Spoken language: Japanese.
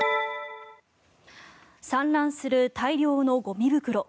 散乱する大量のゴミ袋。